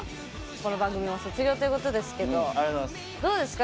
この番組を卒業ということですがどうですか？